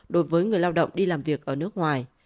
đối với người lao động đi làm việc ở nước ngoài